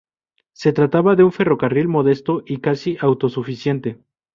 Se trataba de un ferrocarril modesto y casi autosuficiente.